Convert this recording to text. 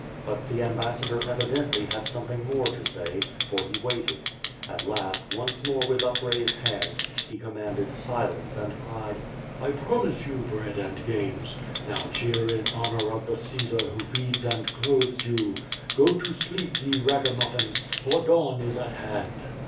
But the ambassador evidently had something more to say, for he waited. At last, once more with upraised hands, he com manded silence and cried: "I promise you bread and games. Now cheer in honor of the Caesar who feeds and clothes you. Go to sleep, ye ragamufiins, for dawn is at hand."